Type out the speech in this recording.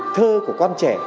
thơ của con trẻ